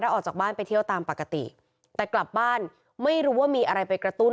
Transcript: ออกจากบ้านไปเที่ยวตามปกติแต่กลับบ้านไม่รู้ว่ามีอะไรไปกระตุ้น